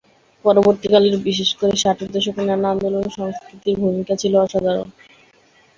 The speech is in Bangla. পরবর্তীকালের, বিশেষ করে ষাটের দশকের নানা আন্দোলনে সংস্কৃতির ভূমিকা ছিল অসাধারণ।